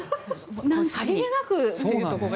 さりげなく言うところが。